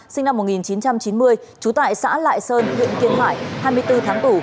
sinh năm một nghìn chín trăm chín mươi trú tại xã lại sơn huyện kiên hải hai mươi bốn tháng tù